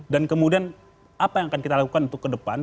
dan kemudian apa yang akan kita lakukan untuk ke depan